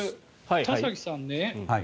田崎さん